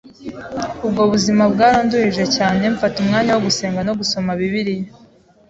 Ubwo buzima bwaranduhije cyane mfata umwanya wo gusenga no gusoma bibilia